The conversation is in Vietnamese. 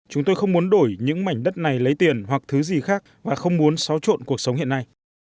chúng tôi không muốn đổi những mảnh đất này lấy tiền hoặc thứ gì khác và không muốn xáo trộn cuộc sống hiện nay